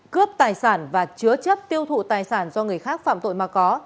cướp tài sản và chứa chấp tiêu thụ tài sản do người khác phạm tội mà có